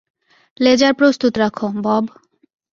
Laser প্রস্তুত রাখো, Bob.